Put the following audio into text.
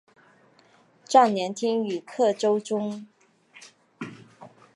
壮年听雨客舟中。